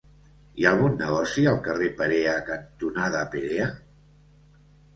Hi ha algun negoci al carrer Perea cantonada Perea?